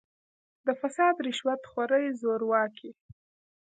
د «فساد، رشوت خورۍ، زورواکۍ